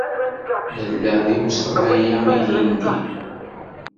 Nella di Usṭralya ilindi.